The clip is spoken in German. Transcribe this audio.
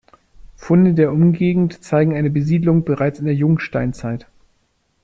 Funde der Umgegend zeigen eine Besiedlung bereits in der Jungsteinzeit.